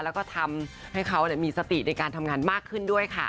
แล้วก็ทำให้เขามีสติในการทำงานมากขึ้นด้วยค่ะ